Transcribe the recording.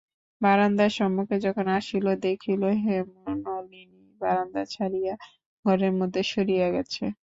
বারান্দার সম্মুখে যখন আসিল, দেখিল হেমনলিনী বারান্দা ছাড়িয়া ঘরের মধ্যে সরিয়া গেছে।